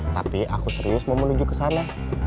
tapi aku serius mau menuju ke sana